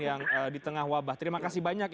yang di tengah wabah terima kasih banyak